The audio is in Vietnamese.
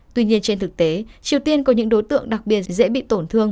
tuy nhiên trên thực tế triều tiên có những đối tượng đặc biệt dễ bị tổn thương